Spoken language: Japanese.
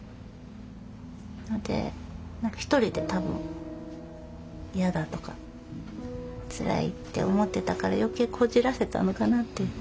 なので１人で多分嫌だとかつらいって思ってたから余計こじらせたのかなって。